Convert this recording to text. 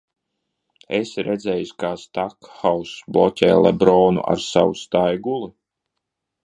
Esi redzējis, kā Stakhauss bloķē Lebronu ar savu staiguli?